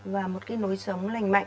và một cái nối sống lành mạnh